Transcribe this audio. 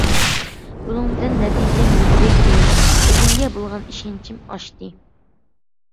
بۇنىڭ بىلەن نەتىجەم يۇقىرى كۆتۈرۈلدى، ئۆزۈمگە بولغان ئىشەنچىم ئاشتى.